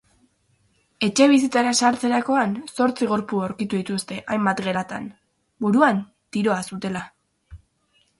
Etxebizitzara sartutakoan zortzi gorpu aurkitu dituzte hainbat gelatan, buruan tiroa zutela.